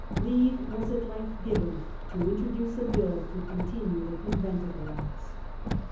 Leave was at length given to introduce a bill to continue the Con venticle Acts.